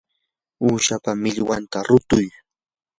uushapa millwanta rutuy.